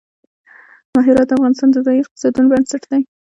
هرات د افغانستان د ځایي اقتصادونو بنسټ دی.